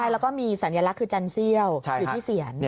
แล้วก็มีสัญลักษณ์คือจันเซี่ยวอยู่ที่เซียน